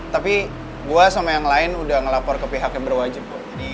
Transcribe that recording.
tapi gue sama yang lain udah ngelapor ke pihak yang berwajib